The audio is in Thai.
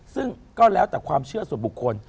ซึ่งก็แล้วแต่ความเชื่อส่วนบุคคล